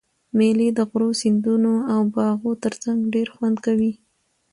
مېلې د غرو، سیندو او باغو ترڅنګ ډېر خوند کوي.